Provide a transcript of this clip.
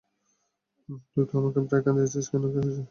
তুই তো আমাকে প্রায় কাঁদিয়ে দিয়েছিস, - কেন কি হইছে?